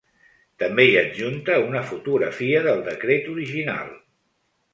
També hi adjunta una fotografia del decret original.